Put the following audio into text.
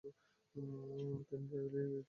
তিনি রায়বেরেলী হতে লক্ষ্মৌ যাত্রা করেন।